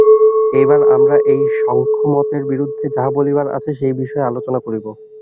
এইবার আমরা এই সাংখ্যমতের বিরুদ্ধে যাহা বলিবার আছে, সেই বিষয়ে আলোচনা করিব।